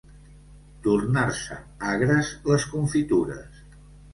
Tornar-se agres les confitures.